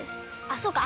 あそうか！